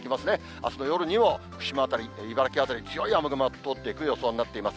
あすの夜にも福島辺り、茨城辺り、強い雨雲が通っていく予想になっています。